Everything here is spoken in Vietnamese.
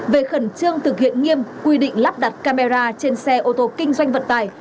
về khẩn trương thực hiện nghiêm quy định lắp đặt camera trên xe ô tô kinh doanh vận tải